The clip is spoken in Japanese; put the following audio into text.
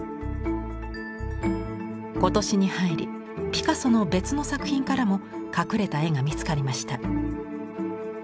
今年に入りピカソの別の作品からも隠れた絵が見つかりました。